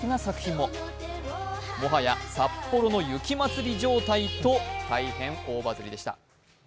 もはや札幌の雪まつり状態と大変大バズりでした。